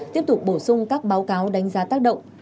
tiếp tục bổ sung các báo cáo đánh giá tác động